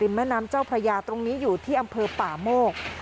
แม่น้ำเจ้าพระยาตรงนี้อยู่ที่อำเภอป่าโมก